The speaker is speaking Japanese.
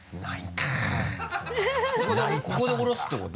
ここでおろすってこと？